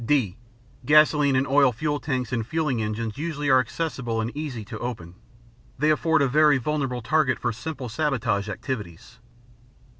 (d) Gasoline and Oil Fuel Tanks and fueling engines usually are accessible and easy to open. They afford a very vulnerable target for simple sabotage activities.